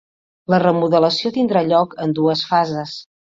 La remodelació tindrà lloc en dues fases.